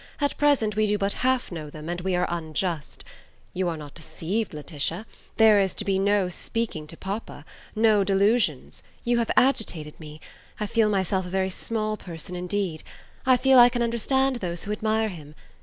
At present we do but half know them, and we are unjust. You are not deceived, Laetitia? There is to be no speaking to papa? no delusions? You have agitated me. I feel myself a very small person indeed. I feel I can understand those who admire him.